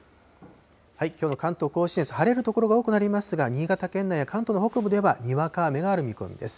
きょうの関東甲信越、晴れる所が多くなりますが、新潟県内や関東の北部では、にわか雨がある見込みです。